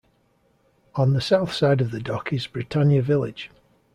On the south side of the Dock is Britannia Village.